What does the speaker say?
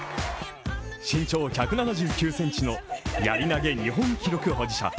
身長１７９ｃｍのやり投げ日本記録保持者。